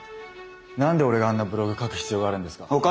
何で俺があんなブログ書く必要があるんですか？